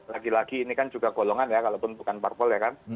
lagi lagi ini kan juga golongan ya kalaupun bukan parpol ya kan